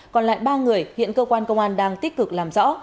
còn lại ba người hiện cơ quan công an đang tích cực làm rõ